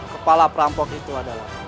kepala perampok itu adalah